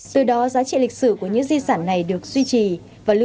từ đó giá trị lịch sử của những di sản này được duy trì và lưu giữ cho các thế hệ mai sau